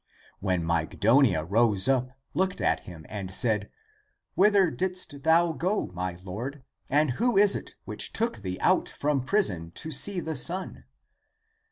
And Mygdonia rose up, looked at him, and said, " Whither didst thou go, my lord ? And who is it which took thee out from prison to see the sun?"